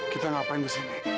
kita ngapain di sini